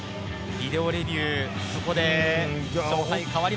ビデオレビュー。